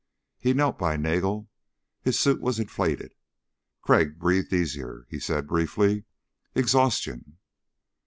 He knelt by Nagel his suit was inflated! Crag breathed easier. He said briefly: "Exhaustion."